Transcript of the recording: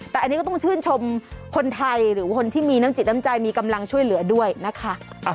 แต่อันนี้ก็ต้องชื่นชมคนไทยหรือคนที่มีน้ำจิตน้ำใจมีกำลังช่วยเหลือด้วยนะคะ